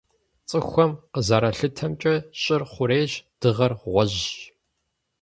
Цӏыхухэм къызэралъытэмкӏэ, Щӏыр - хъурейщ, Дыгъэр - гъуэжьщ.